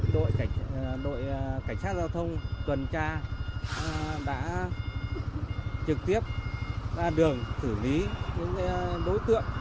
đội cảnh sát giao thông tuần tra đã trực tiếp ra đường xử lý những đối tượng